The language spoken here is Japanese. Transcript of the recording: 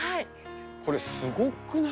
これ、すごくない？